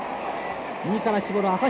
右から絞る旭國。